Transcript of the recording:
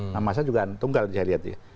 mamasa juga tunggal saya lihat ya